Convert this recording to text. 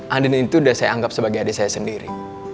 andin itu udah saya anggap sebagai adik saya sendiri